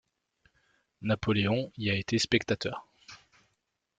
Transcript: Napoléon y a été spectateur.